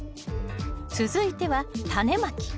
続いてはタネまき。